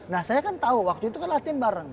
nah saya kan tahu waktu itu kan latihan bareng